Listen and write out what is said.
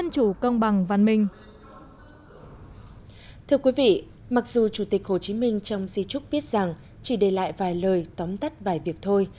thưa quý vị mặc dù chủ tịch hồ chí minh trong di trúc biết rằng chỉ để lại vài lời tóm tắt vài việc thôi